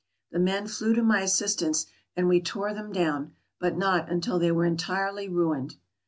The men flew to my assistance, and we tore them down, but not until they were entirely ruined.